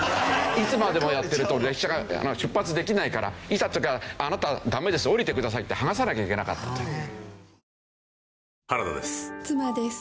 いつまでもやってると列車が出発できないからいざという時は「あなたはダメです降りてください」って剥がさなきゃいけなかったという。